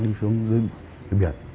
đi xuống dưới biển